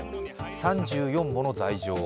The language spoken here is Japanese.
３４もの罪状。